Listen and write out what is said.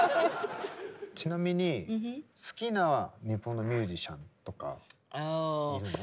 ちなみに好きな日本のミュージシャンとかいるの？